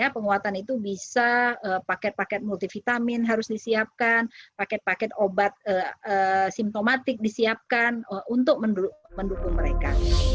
penguatan itu bisa paket paket multivitamin harus disiapkan paket paket obat simptomatik disiapkan untuk mendukung mereka